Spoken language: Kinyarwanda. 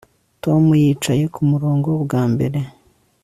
Tom yicaye kumurongo wambere